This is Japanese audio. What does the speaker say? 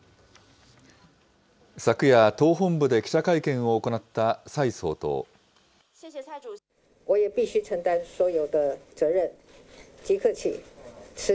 昨夜、党本部で記者会見を行った蔡総統。